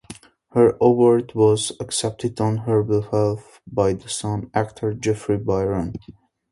Her award was accepted on her behalf by her son, actor Jeffrey Byron.